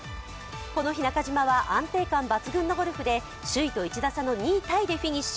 この日、中島は安定感抜群のゴルフで首位と１打差の２位タイでフィニッシュ。